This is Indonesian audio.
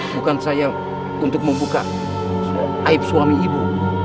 bukan saya untuk membuka aib suami ibu